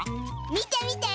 みてみて！